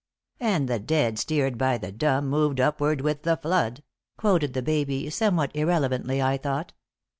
"'And the dead, steered by the dumb, moved upward with the flood,'" quoted the baby, somewhat irrelevantly, I thought.